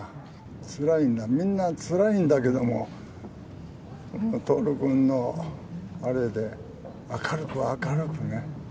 つらいんだ、みんなつらいんだけども、徹君のあれで、明るく、明るくね。